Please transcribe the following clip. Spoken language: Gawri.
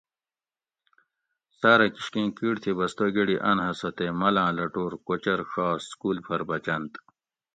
سارہ کِشکیں کِٹ تھی بستہ گۤڑی اۤن ھسہ تے ملاۤں لٹور کوچور ڛا سکول پۤھر بۤچنت